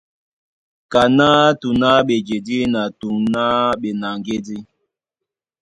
Kaná tǔŋ á ɓejedí na tǔŋ á ɓenaŋgédí.